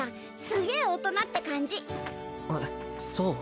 すげえ大人って感じえっそう？